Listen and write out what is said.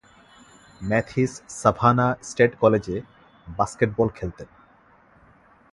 Mathews Savannah State কলেজে basketball খেলতেন।